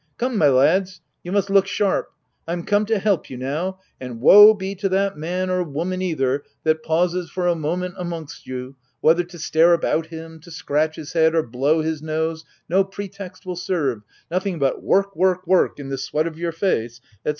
— Come my lads, you must look sharp : I'm coming to help you now ;— and wo be to that man, or woman either, that pauses for a moment amongst you— whether to stare about him, to scratch his head, or blow his nose — no pretext will serve— nothing but work, work, work in the sweat of your face/' — &c.